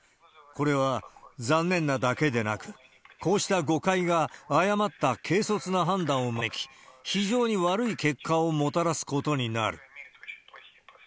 これは残念なだけでなく、こうした誤解が誤った軽率な判断を招き、非常に悪い結果をもたらすことになる。